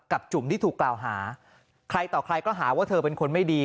จุ่มที่ถูกกล่าวหาใครต่อใครก็หาว่าเธอเป็นคนไม่ดี